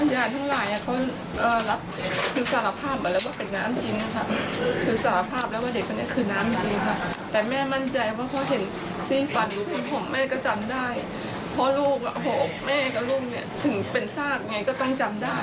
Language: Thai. สารภาพแล้วว่าเด็กคนนี้คือน้ำจริงค่ะแต่แม่มั่นใจว่าเพราะเห็นสิ้นฟันหรือหัวผมแม่ก็จำได้